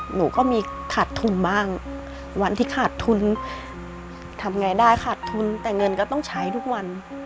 หนูก็มีขาดทุนบ้างวันที่ขาดทุนทำไงได้ขาดทุนแต่เงินก็ต้องใช้ทุกวัน